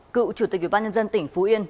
cựu chủ tịch ủy ban nhân dân tp yên